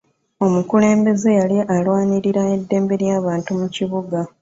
Omukulembeze yali alwanirira eddembe ly'abantu mu kibuga.